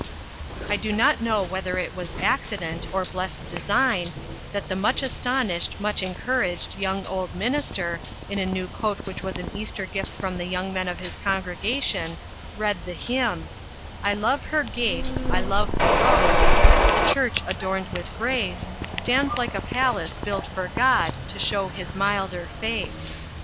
I do not know whether it was accident, or a blessed design, that the much aston ished, much encouraged, young old minister, in a new coat which was an Easter gift from the young men of his congregation, read the hymn I love her gates, I love the road ; The church adorned with grace, Stands like a palace built for God, To show his milder face.